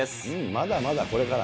まだまだ、これから。